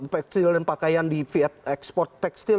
tekstil dan pakaian di viet tekstil